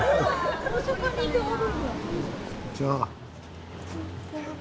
こんにちは。